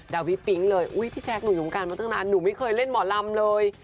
ดาวิปิ๊งเลยอุ๊ยพี่แจ๊คหนูอยู่วงการมาตั้งนานหนูไม่เคยเล่นหมอลำเลย